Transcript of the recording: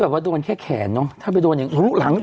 พอเถอะ